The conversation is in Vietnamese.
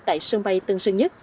tại sân bay tân sơn nhất